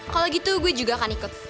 kalau gitu gue juga akan ikut